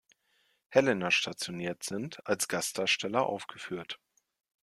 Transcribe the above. Helena stationiert sind, als Gastdarsteller aufgeführt.